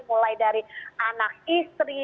mulai dari anak istri